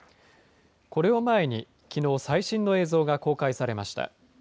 これを前に、きのう、最新の映像が公開されました。